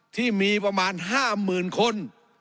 ที่มีประมาณ๕หมื่นคน